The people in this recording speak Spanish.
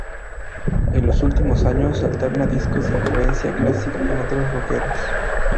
En los últimos años alterna discos de influencia clásica con otros rockeros.